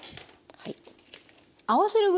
はい。